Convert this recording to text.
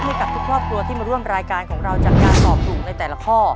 ให้กับทุกครอบครัวที่มาร่วมรายการของเราจากการตอบถูกในแต่ละข้อ